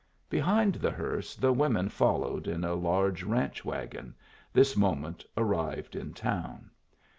Behind the hearse the women followed in a large ranch wagon, this moment arrived in town.